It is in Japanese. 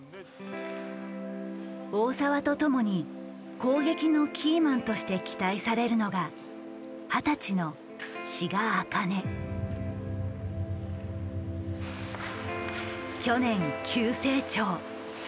大澤とともに攻撃のキーマンとして期待されるのが二十歳の去年急成長。